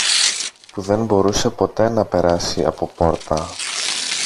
που δεν μπορούσε ποτέ να περάσει από πόρτα